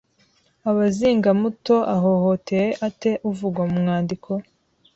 Abazingamuto ahohoteye ate uvugwa mu mwandiko